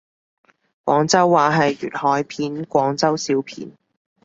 廣州話係粵海片廣州小片